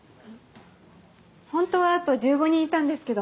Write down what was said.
本当はあと１５人いたんですけど。